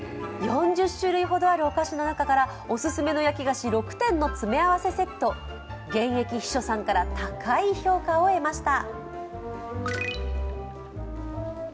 ４０種類ほどあるお菓子の中から、オススメの焼き菓子６個の詰め合わせセット、現役秘書さんから高い評価を得ました。